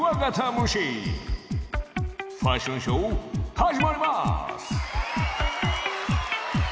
ファッションショーはじまります！